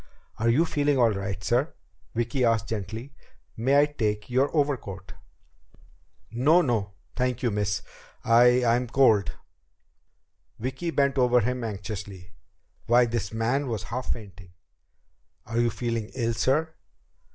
"Are you feeling all right, sir?" Vicki asked gently. "May I take your overcoat?" "No no, thank you, miss. I I'm cold." Vicki bent over him anxiously. Why, this man was half fainting! "Are you feeling ill, sir?"